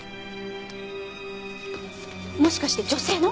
もしかして女性の？